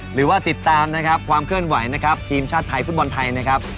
หรือว่าติดตามนะครับความเคลื่อนไหวนะครับทีมชาติไทยฟุตบอลไทยนะครับ